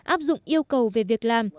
áp dụng yêu cầu về việc làm